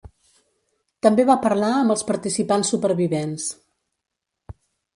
També va parlar amb els participants supervivents.